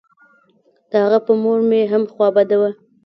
د هغه په مور مې هم خوا بده وه.